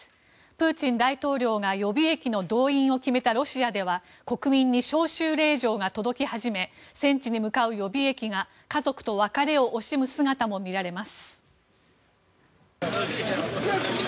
プーチン大統領が予備役の動員を決めたロシアでは国民に招集令状が届き始め戦地に向かう予備役が、家族と別れを染む姿も見られます。